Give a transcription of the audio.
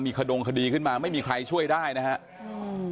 ขดงคดีขึ้นมาไม่มีใครช่วยได้นะครับ